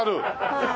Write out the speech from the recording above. はい。